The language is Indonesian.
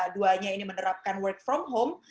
duanya ini menerapkan work from home